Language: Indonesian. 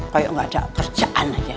kayak nggak ada kerjaan aja